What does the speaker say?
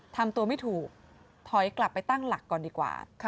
ทำตัวไม่ถูกถอยกลับไปตั้งหลักก่อนดีกว่า